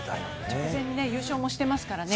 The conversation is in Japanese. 直前に優勝もしてますからね。